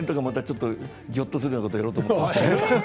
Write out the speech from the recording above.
また来年はぎょっとするようなことをやろうと思って。